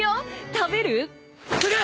食べる？